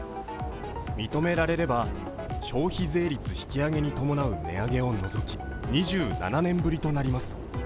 認められれば、消費税率引き上げに伴う値上げを除き、２７年ぶりとなります。